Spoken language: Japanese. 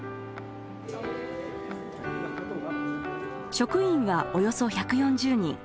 職員はおよそ１４０人。